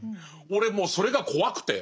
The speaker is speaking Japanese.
俺もうそれが怖くて。